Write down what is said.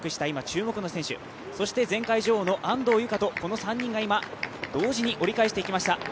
今、注目の選手、そして前回女王の安藤友香と、この３人が今同時に折り返していきました。